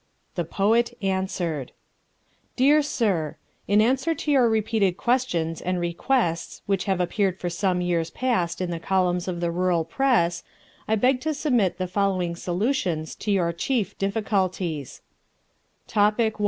The Poet Answered Dear sir: In answer to your repeated questions and requests which have appeared for some years past in the columns of the rural press, I beg to submit the following solutions of your chief difficulties: Topic I.